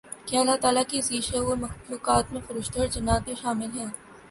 کہ اللہ تعالیٰ کی ذی شعور مخلوقات میں فرشتے اورجنات بھی شامل ہیں